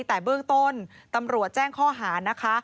แต่เบื้องต้นตำรวจแจ้งข้อหานะคะ